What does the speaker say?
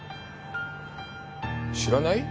知らない？